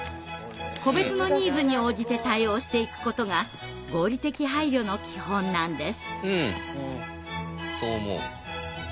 個別のニーズに応じて対応していくことが合理的配慮の基本なんです。